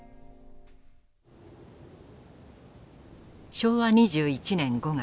昭和２１年５月。